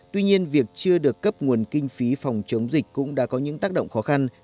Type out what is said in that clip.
tuy nhiên việc chưa được cấp nguồn kinh phí phòng chống dịch cũng đã có những tác động khó khăn